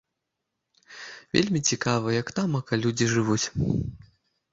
Вельмі цікава, як тамака людзі жывуць.